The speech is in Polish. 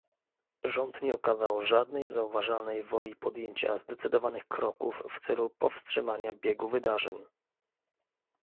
Rząd nie okazał żadnej zauważalnej woli podjęcia zdecydowanych kroków w celu powstrzymania biegu wydarzeń